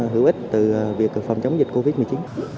hữu ích từ việc phòng chống dịch covid một mươi chín